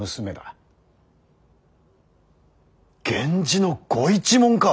源氏のご一門か！